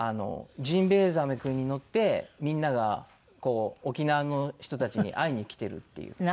ジンベエザメ君に乗ってみんなが沖縄の人たちに会いに来てるっていう。